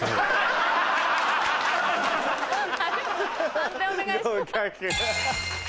判定お願いします。